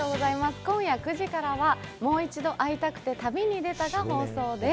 今夜９時からは『もう一度、逢いたくて旅にでた。』が放送です。